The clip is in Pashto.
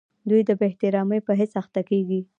دوی د بې احترامۍ په حس اخته کیږي.